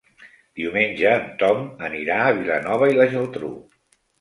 Diumenge en Tom anirà a Vilanova i la Geltrú.